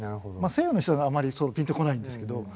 まあ西洋の人はあまりそうピンとこないんですけど。